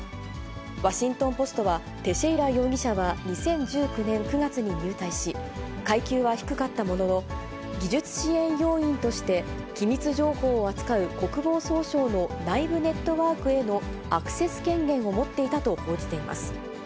ワシントン・ポストは、テシェイラ容疑者は２０１９年９月に入隊し、階級は低かったものの、技術支援要員として、機密情報を扱う国防総省の内部ネットワークへのアクセス権限を持っていたと報じています。